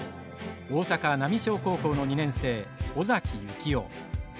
大阪浪商高校の２年生尾崎行雄。